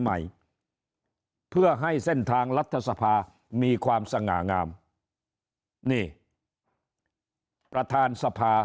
ใหม่เพื่อให้เส้นทางรัฐสภามีความสง่างามนี่ประธานสภา